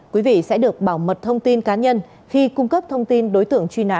quý vị sẽ được bảo mật thông tin cá nhân khi cung cấp thông tin đối tượng truy nã